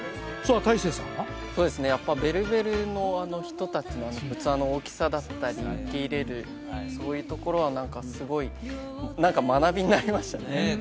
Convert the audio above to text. やっぱベルベルの人達の器の大きさだったり受け入れるそういうところは何かすごい学びになりましたねねえ